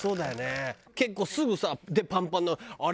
結構すぐさパンパンになるあれ